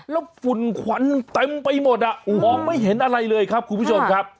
แล้วฝุ่นควันเต็มไปหมดอ่ะมองไม่เห็นอะไรเลยครับคุณผู้ชมครับ